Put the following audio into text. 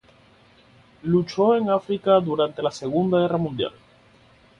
Luchó en África durante la Segunda Guerra Mundial.